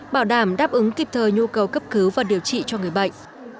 bảo đảm đáp ứng kịp thời nhu cầu cấp cứu và điều trị cho người bệnh